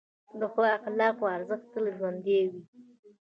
د ښو اخلاقو ارزښت تل ژوندی وي.